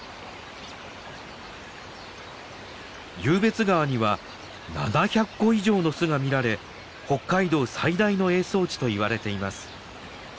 湧別川には７００個以上の巣が見られ北海道最大の営巣地といわれています。